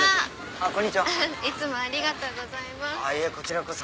あっいえこちらこそ。